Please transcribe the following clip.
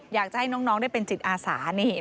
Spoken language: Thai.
อยากจะให้น้องได้เป็นจิตอาสานี่